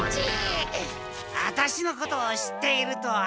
ワタシのことを知っているとは。